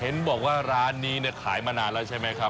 เห็นบอกว่าร้านนี้เนี่ยขายมานานแล้วใช่ไหมครับ